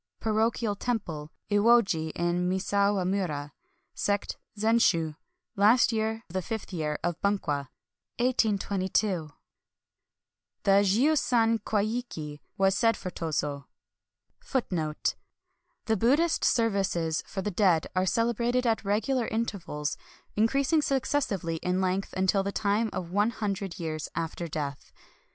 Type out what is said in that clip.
— Parochial temple : Iwoji in Misawa mura. Sect : Zen shu. Last year the fifth year of Bunkwa , the jiu san kwaiJci ^ was said for Tozo. Hanshiko. — Stepfather of Tozo. Family 1 The Buddhist services for the dead are celebrated at regular intervals, increasing successively in length, until the time of one hundred years after death.